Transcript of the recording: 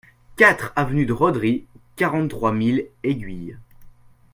quatre avenue de Roderie, quarante-trois mille Aiguilhe